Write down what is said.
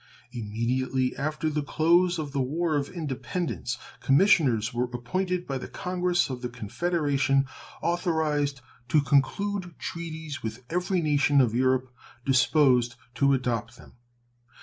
Immediately after the close of the War of Independence commissioners were appointed by the Congress of the Confederation authorized to conclude treaties with every nation of Europe disposed to adopt them.